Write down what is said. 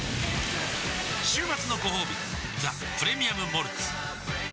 週末のごほうび「ザ・プレミアム・モルツ」